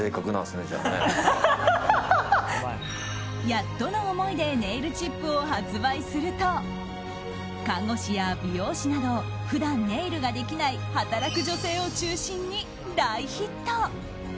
やっとの思いでネイルチップを発売すると看護師や美容師など普段ネイルができない働く女性を中心に大ヒット。